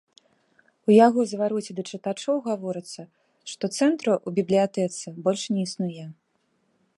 У яго звароце да чытачоў гаворыцца, што цэнтра ў бібліятэцы больш не існуе.